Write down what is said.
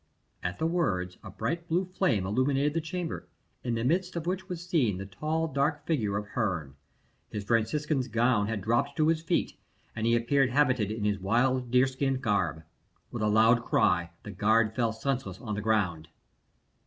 At the words a bright blue flame illumined the chamber, in the midst of which was seen the tall dark figure of Herne. His Franciscan's gown had dropped to his feet, and he appeared habited in his wild deer skin garb. With a loud cry, the guard fell senseless on the ground.